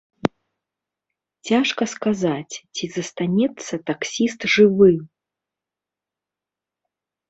Цяжка сказаць, ці застанецца таксіст жывы.